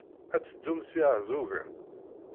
Ad teddum s Iɛeẓẓugen?